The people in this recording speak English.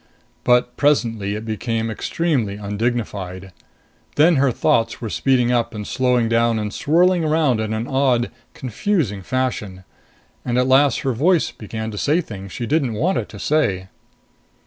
But presently it became extremely undignified. Then her thoughts were speeding up and slowing down and swirling around in an odd, confusing fashion. And at last her voice began to say things she didn't want it to say.